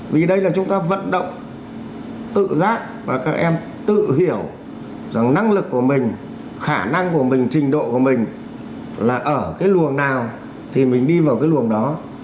vì đây là chúng ta vận động tự giác và các em tự hiểu rằng năng lực của mình khả năng của mình trình độ của mình là ở cái luồng nào thì mình đi vào cái luồng đó